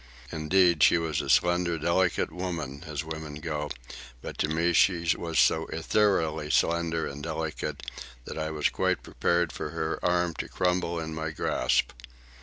Indeed, she was a slender, delicate woman as women go, but to me she was so ethereally slender and delicate that I was quite prepared for her arm to crumble in my grasp.